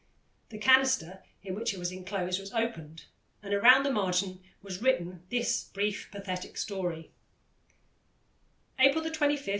The canister in which it was enclosed was opened, and round the margin was written this brief, pathetic story: "April 25, 1848.